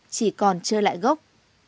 chỉ còn chưa lại gốc